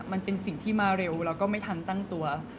มันเป็นสิ่งที่มาเร็วแล้วก็ไม่ทันตั้งตัว